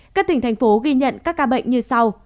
các tỉnh thành phố ghi nhận các ca bệnh như sau